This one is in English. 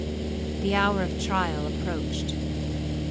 The hour of trial approached.